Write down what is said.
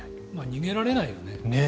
逃げられないよね。